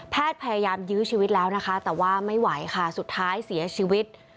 พยายามยื้อชีวิตแล้วนะคะแต่ว่าไม่ไหวค่ะสุดท้ายเสียชีวิต